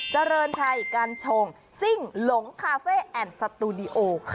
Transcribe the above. เจริญชัยกัญชงซิ่งหลงคาเฟ่แอ่นสตูดิโอค่ะ